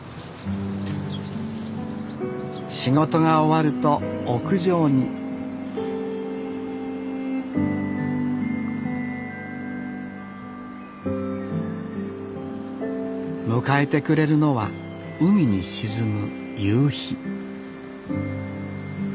仕事が終わると屋上に迎えてくれるのは海に沈む夕日